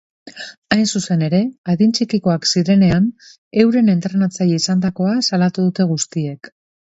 Hain zuzen ere, adin txikikoak zirenean euren entrenatzaile izandakoa salatu dute guztiek.